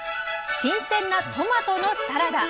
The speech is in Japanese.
新鮮なトマトのサラダ。